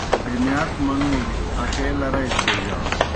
بِہنِیات منُوڙوْ اکے لرَئی دہ بوجانوْ۔